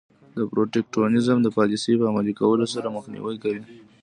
د protectionism د پالیسۍ په عملي کولو سره مخنیوی کوي.